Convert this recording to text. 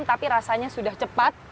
tapi rasanya sudah cepat